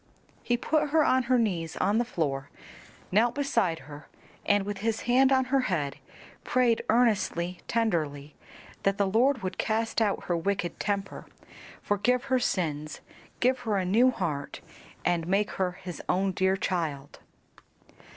He put her on her knees on the floor, knelt beside her, and with his hand on her head prayed earnestly, tenderly that the Lord would cast out her wicked temper, forgive her sins, give her a new heart, and make her his own dear child.